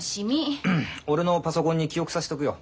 俺のパソコンに記憶させとくよ